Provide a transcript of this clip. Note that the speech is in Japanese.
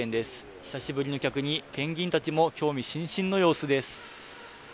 久しぶりの客に、ペンギンたちも興味津々の様子です。